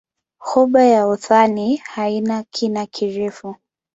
Ghuba ya Uthai haina kina kirefu.